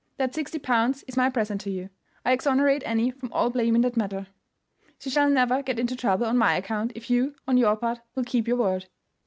That sixty pounds is my present to you. I exonerate Annie from all blame in the matter. She shall never get into trouble on my account if you, on your part, will keep your word."